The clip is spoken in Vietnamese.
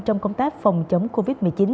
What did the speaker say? trong công tác phòng chống covid một mươi chín